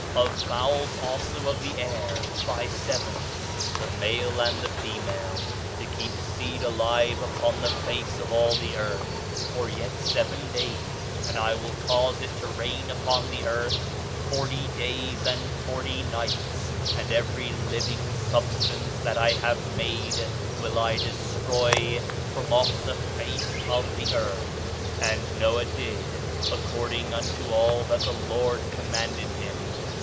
Of fowls also of the air by sevens, the male and the female; to keep seed alive upon the face of all the earth. For yet seven days, and I will cause it to rain upon the earth forty days and forty nights; and every living substance that I have made will I destroy from off the face of the earth. "And Noah did according unto all that the Lord commanded him.